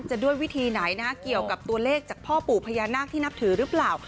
ด้วยวิธีไหนนะฮะเกี่ยวกับตัวเลขจากพ่อปู่พญานาคที่นับถือหรือเปล่า